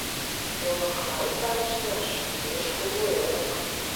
Йомаклан талышнаш пеш кугу эрык.